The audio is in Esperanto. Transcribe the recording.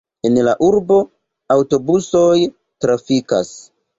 En la urbo aŭtobusoj trafikas.